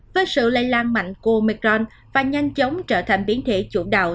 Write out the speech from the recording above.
với sự lây lan mạnh của mecron và nhanh chóng trở thành biến thể chủ đạo